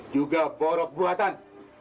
juga borok buatan